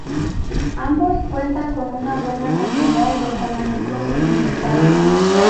Ambos cuentan con una buena cantidad de fanáticos en el estado.